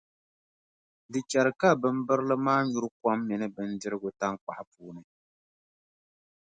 Di chɛri ka bimbirili maa nyuri kom mini bindirigu taŋkpaɣu puuni.